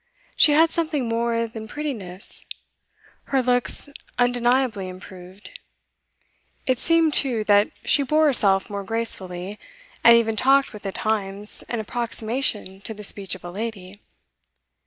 She had something more than prettiness; her looks undeniably improved. It seemed, too, that she bore herself more gracefully, and even talked with, at times, an approximation to the speech of a lady.